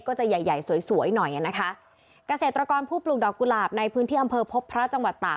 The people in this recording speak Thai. ก็จะใหญ่ใหญ่สวยสวยหน่อยอ่ะนะคะเกษตรกรผู้ปลูกดอกกุหลาบในพื้นที่อำเภอพบพระจังหวัดตาก